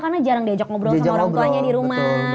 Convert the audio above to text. karena jarang diajak ngobrol sama orang tuanya di rumah